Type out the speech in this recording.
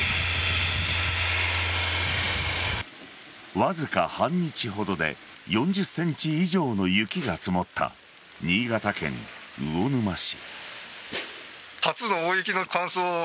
わずか半日ほどで４０ｃｍ以上の雪が積もった新潟県魚沼市。